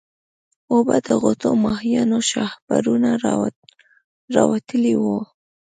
اوبه د غوټه ماهيانو شاهپرونه راوتلي وو.